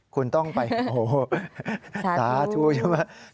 คุณต้องไปโอ้โหสาธุใช่ไหม